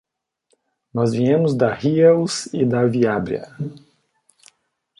Nós viemos da Riells e da Viabrea.